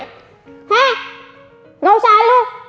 hah gak usah lu